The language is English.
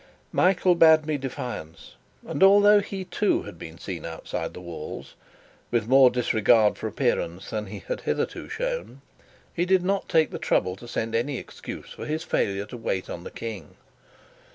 Michael bade me defiance; and although he too had been seen outside the walls, with more disregard for appearances than he had hitherto shown, he did not take the trouble to send any excuse for his failure to wait on the King.